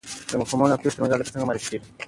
د مفهومونو او پېښو ترمنځ اړیکه څنګه معرفي کیږي؟